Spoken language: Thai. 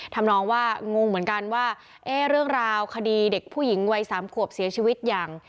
ทำนองว่างงเหมือนกันว่าเรื่องราวคดีเด็กผู้หญิงวัย๓ขวบเสียชีวิตอย่าง